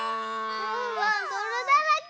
ワンワンどろだらけ。